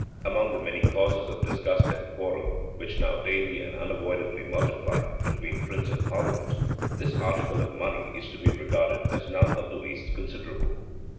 Among the many causes of disgust and quarrel which now daily and unavoidably multiplied between prince and parliament, this article of money is to be regarded as none of the least considerable.